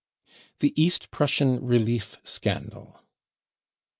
The East Prussian relief scandal.